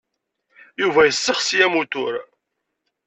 Yuba yessexsi amutur.